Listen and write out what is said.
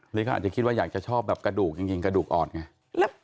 หรือเขาอาจจะคิดว่าอยากจะชอบแบบกระดูกจริงกระดูกอ่อนไง